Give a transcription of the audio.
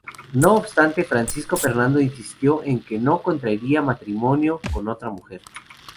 No obstante, Francisco Fernando insistió en que no contraería matrimonio con otra mujer.